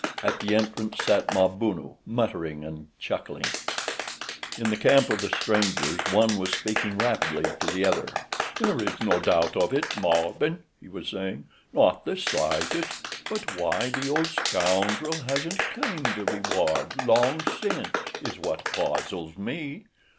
At the entrance sat Mabunu, muttering and chuckling. In the camp of the strangers one was speaking rapidly to the other. "There is no doubt of it, Malbihn," he was saying. "Not the slightest; but why the old scoundrel hasn't claimed the reward long since is what puzzles me."